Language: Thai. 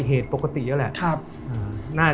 เหตุปกติแล้วแหละ